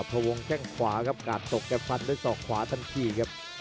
ทวงแข้งขวาครับกาดตกแกฟันด้วยศอกขวาทันทีครับ